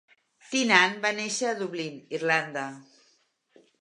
Tynan va néixer a Dublín, Irlanda.